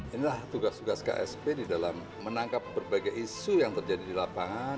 inilah tugas tugas ksp di dalam menangkap berbagai isu yang terjadi di lapangan